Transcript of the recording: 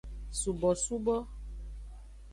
Subosubo.